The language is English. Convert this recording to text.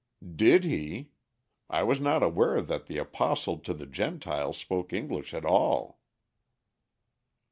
"Did he? I was not aware that the Apostle to the Gentiles spoke English at all."